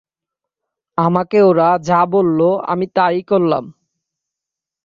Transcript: আমাকে ওরা যা বললো আমি তাই করলাম।